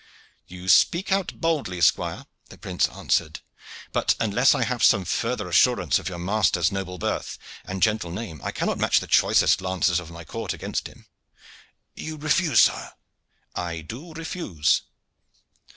"You speak out boldly, squire," the prince answered; "but unless I have some further assurance of your master's noble birth and gentle name I cannot match the choicest lances of my court against him." "You refuse, sire?" "I do refuse."